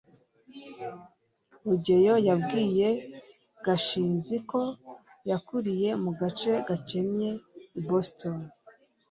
rugeyo yabwiye gashinzi ko yakuriye mu gace gakennye i boston